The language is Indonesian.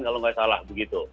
kalau nggak salah begitu